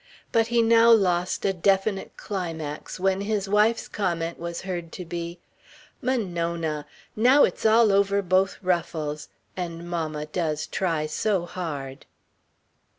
But he now lost a definite climax when his wife's comment was heard to be: "Monona! Now it's all over both ruffles. And mamma does try so hard...."